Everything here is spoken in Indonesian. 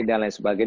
dan lain sebagainya